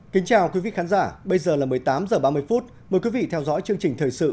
hãy đăng ký kênh để ủng hộ kênh của chúng mình nhé